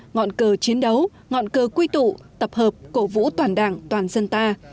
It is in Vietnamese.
ngọn cờ chiến đấu ngọn cờ quy tụ tập hợp cổ vũ toàn đảng toàn dân ta